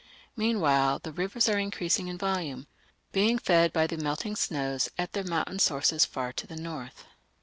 Meanwhile the rivers are increasing in volume, being fed by the melting snows at their mountain sources far to the north.